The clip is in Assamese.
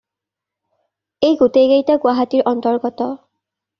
এই গোটেইকেইটা গুৱাহাটীৰ অন্তৰ্গত।